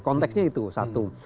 konteksnya itu satu